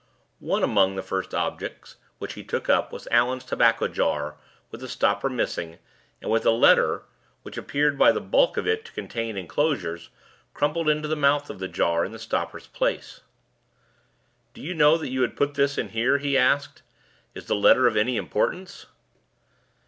One among the first objects which he took up was Allan's tobacco jar, with the stopper missing, and with a letter (which appeared by the bulk of it to contain inclosures) crumpled into the mouth of the jar in the stopper's place. "Did you know that you had put this here?" he asked. "Is the letter of any importance?"